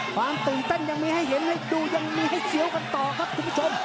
ความตื่นเต้นยังมีให้เห็นให้ดูยังมีให้เสียวกันต่อครับคุณผู้ชม